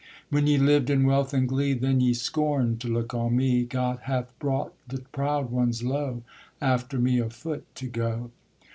When ye lived in wealth and glee Then ye scorned to look on me; God hath brought the proud ones low After me afoot to go.'